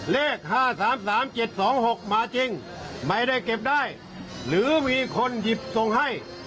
เลข๕๓๓๗๒๖มาจริงไม่ได้เก็บได้หรือมีคนหยิบส่งให้